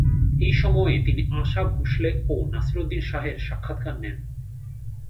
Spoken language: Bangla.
এই সময়ে তিনি আশা ভোঁসলে ও নাসিরুদ্দিন শাহের সাক্ষাৎকার নেন।